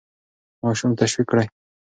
ماشوم تشویق کړئ.